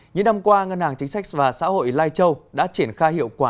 những năm qua ngân hàng chính sách và xã hội lai châu đã triển khai hiệu quả